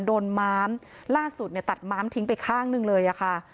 ม้ามล่าสุดเนี่ยตัดม้ามทิ้งไปข้างหนึ่งเลยอะค่ะ